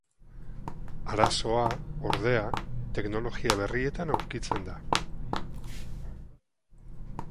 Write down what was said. Arazoa, ordea, teknologia berrietan aurkitzen da.